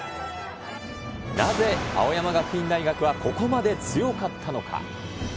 なぜ青山学院大学はここまで強かったのか。